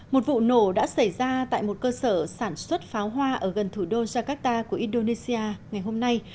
một vụ nổ đã xảy ra tại một cơ sở sản xuất pháo hoa ở gần thủ đô jakarta của indonesia ngày hôm nay